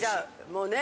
もうね。